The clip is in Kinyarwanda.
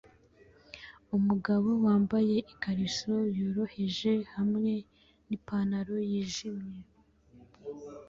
Umugabo wambaye ikariso yoroheje hamwe nipantaro yijimye